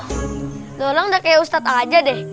udah orang udah kayak ustadz aja deh